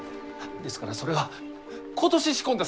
ですからそれは今年仕込んだ